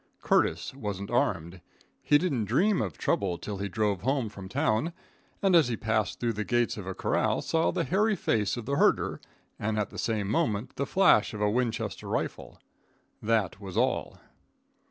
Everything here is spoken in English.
Curtis wasn't armed. He didn't dream of trouble till he drove home from town, and, as he passed through the gates of a corral, saw the hairy face of the herder, and at the same moment the flash of a Winchester rifle. That was all.